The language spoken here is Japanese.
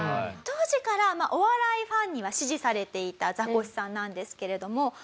当時からお笑いファンには支持されていたザコシさんなんですけれども。